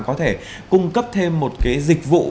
có thể cung cấp thêm một cái dịch vụ